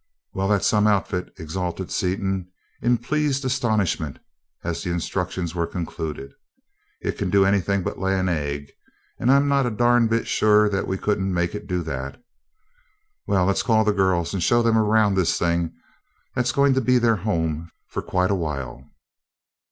"Well, that's some outfit!" exulted Seaton in pleased astonishment as the instructions were concluded. "It can do anything but lay an egg and I'm not a darn bit sure that we couldn't make it do that! Well, let's call the girls and show them around this thing that's going to be their home for quite a while."